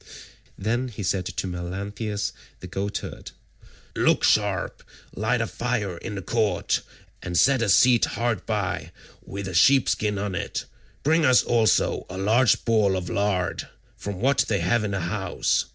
Then he said to Melanthius the goatherd, "Look sharp, light a fire in the court, and set a seat hard by with a sheep skin on it; bring us also a large ball of lard, from what they have in the house.